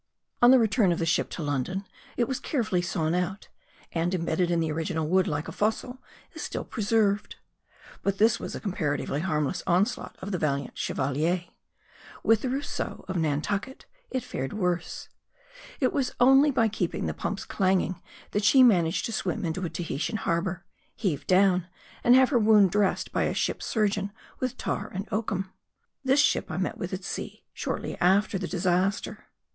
On the return of the ship to London, it was carefully sawn out ; and, imbed ded in the original wood, like a fossil, is still preserved. But this was a comparatively harmless onslaught of the valiant Chevalier. With the Rousseau, of Nantucket, it fared worse. She was almost mortally stabbed j her assailant withdraw ing his blade. And it was only by keeping the pumps clanging, that she managed to swim into a Tahitian harbor, " heave down," and have her wound dressed by a ship sur geon with tar and oakum. This ship I met with at sea, shortly after the disaster.